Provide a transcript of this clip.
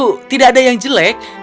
kalau tidak ada yang jelek